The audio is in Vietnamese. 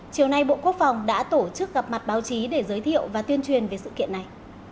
chiều nay bộ quốc phòng đã tổ chức gặp mặt báo chí để giới thiệu và tuyên truyền về sự kiện này